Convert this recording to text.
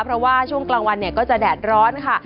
เพราะว่าช่วงกลางวันเนี่ยก็จะแดดร้อนค่ะ